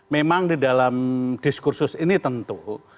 memang di dalam diskursus ini tentu